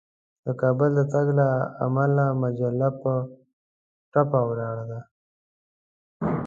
د کابل د تګ له امله مجله په ټپه ولاړه وه.